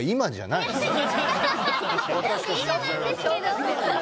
今なんですけど。